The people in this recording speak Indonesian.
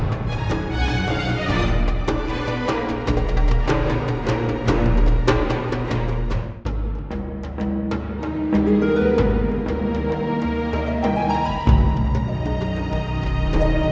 sari kata oleh sdaswati